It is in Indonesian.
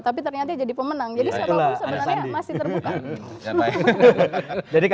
tapi ternyata jadi pemenang jadi siapapun sebenarnya masih terbuka